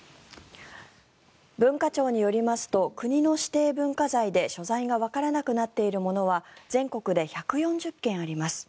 文化庁によりますと国の指定文化財で所在がわからなくなっているものは全国で１４０件あります。